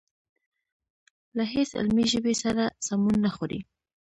له هېڅ علمي ژبې سره سمون نه خوري.